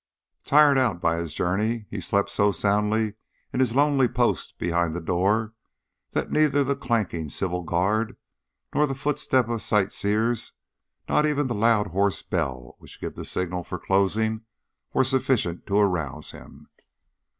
Tired out by his journey, he slept so soundly in his lonely post behind the door that neither the clanking civil guard, nor the footsteps of sightseers, nor even the loud hoarse bell which gives the signal for closing, were sufficient to arouse him.